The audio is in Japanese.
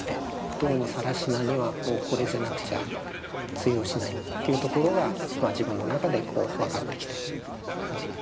どうも更科にはもうこれじゃなくちゃ通用しないというところが自分の中で分かってきて。